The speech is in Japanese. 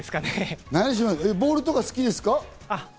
ボールとか好きですか？